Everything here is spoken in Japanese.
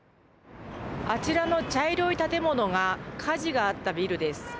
あちらの茶色い建物が火事があったビルです。